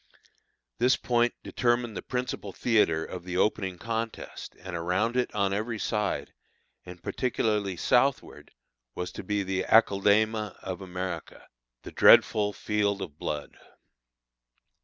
This point determined the principal theatre of the opening contest, and around it on every side, and particularly southward, was to be the aceldama of America, the dreadful "field of blood."